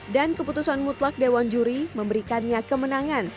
dan keputusan mutlak dewan juri memberikannya kemenangan